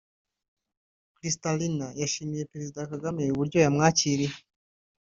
Kristalina yashimiye Perezida Kagame uburyo yamwakiriye